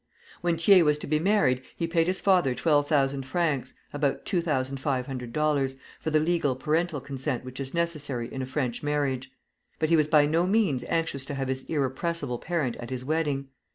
When Thiers was to be married, he paid his father twelve thousand francs (about $2,500) for the legal parental consent which is necessary in a French marriage; but he was by no means anxious to have his irrepressible parent at his wedding.